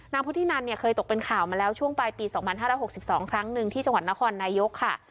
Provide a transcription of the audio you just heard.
พุทธินันเนี่ยเคยตกเป็นข่าวมาแล้วช่วงปลายปี๒๕๖๒ครั้งหนึ่งที่จังหวัดนครนายกค่ะ